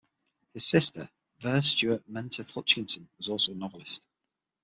His sister, Vere Stuart-Menteth Hutchinson, was also a novelist.